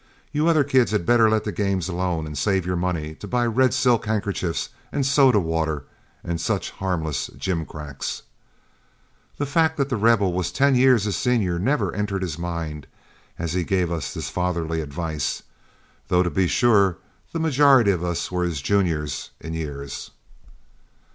You other kids had better let the games alone and save your money to buy red silk handkerchiefs and soda water and such harmless jimcracks." The fact that The Rebel was ten years his senior never entered his mind as he gave us this fatherly advice, though to be sure the majority of us were his juniors in years.